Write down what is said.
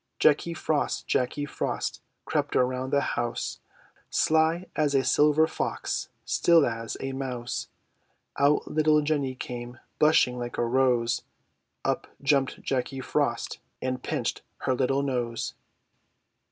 Jacky Frost, Jacky Frost, Crept around the house, Sly as a silver fox, Still as a mouse. Out little Jenny came, Blushing like a rose; Up jumped Jacky Frost, And pinched her little nose.